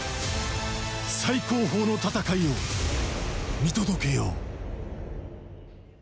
最高峰の戦いを見届けよ。